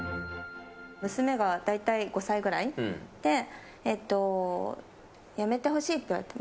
娘が大体５歳くらいで辞めてほしいって言われて。